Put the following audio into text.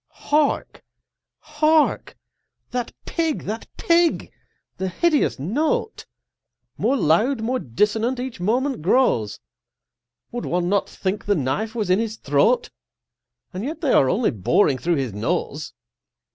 Hark! hark! that Pigâthat Pig! the hideous note, More loud, more dissonant, each moment growsâ Would one not think the knife was in his throat? And yet they are only boring through his nose.